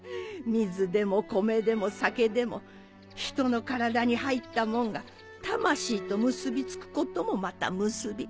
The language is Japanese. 水でも米でも酒でも人の体に入ったもんが魂と結びつくこともまたムスビ。